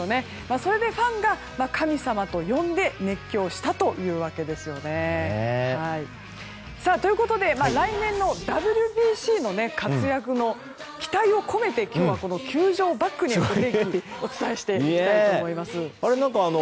それで、ファンが神様と呼んで熱狂したというわけですよね。ということで来年のＷＢＣの活躍に期待を込めて今日は球場をバックにお天気お伝えしていきたいと思います。